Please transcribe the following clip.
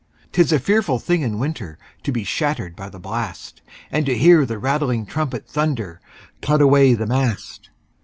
'Tis a fearful thing in winter To be shattered by the blast, And to hear the rattling trumpet Thunder, "Cut away the mast!"